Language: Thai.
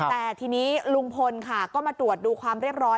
แต่ทีนี้ลุงพลค่ะก็มาตรวจดูความเรียบร้อย